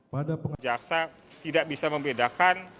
pada jaksa tidak bisa membedakan